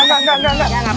enggak enggak enggak